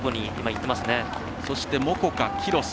そして、モコカ、キロス。